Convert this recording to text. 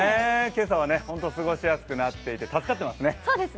今朝はほんと過ごしやすくなっていて、助かってますね。